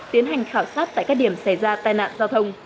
tiến hành khảo sát tại các điểm xảy ra tai nạn giao thông